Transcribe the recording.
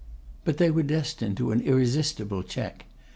But they were destined to an irresistible check.